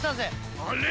あれ？